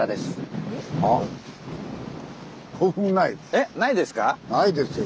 えっないですか？